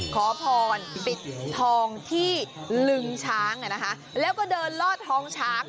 ขอพรปิดทองที่ลึงช้างแล้วก็เดินลอดท้องช้าง